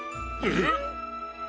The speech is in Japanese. えっ？